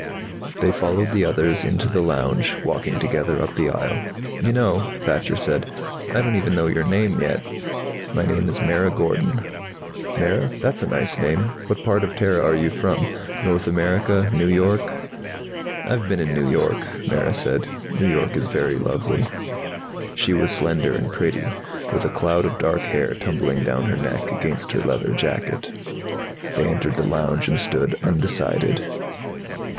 They followed the others into the lounge, walking together up the aisle. "You know," Thacher said, "I don't even know your name, yet." "My name is Mara Gordon." "Mara? That's a nice name. What part of Terra are you from? North America? New York?" "I've been in New York," Mara said. "New York is very lovely." She was slender and pretty, with a cloud of dark hair tumbling down her neck, against her leather jacket. They entered the lounge and stood undecided.